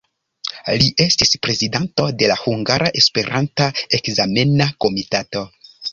Li estis prezidanto de la Hungara Esperanta Ekzamena Komitato.